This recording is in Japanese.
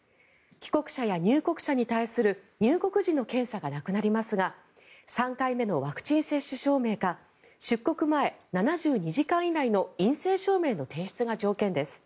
帰国者や入国者に対する入国時の検査がなくなりますが３回目のワクチン接種証明か出国前７２時間以内の陰性証明の提出が条件です。